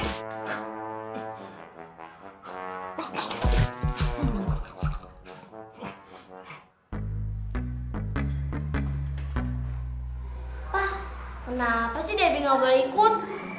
pak kenapa sih debbie gak boleh ikut